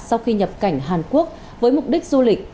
sau khi nhập cảnh hàn quốc với mục đích du lịch